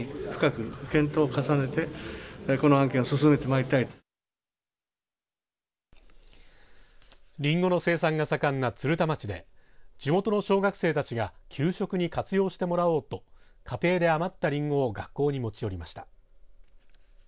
りんごの生産が盛んな鶴田町で地元の小学生たちが給食に活用してもらおうと家庭で余ったりんごを学校に持ち寄りました。